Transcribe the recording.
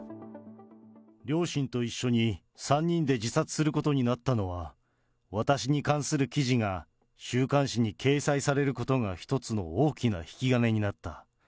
両親と一緒に３人で自殺することになったのは、私に関する記事が、週刊誌に掲載されることが一つの大きな引き金になった。